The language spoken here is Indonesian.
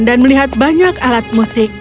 dan melihat banyak alat musik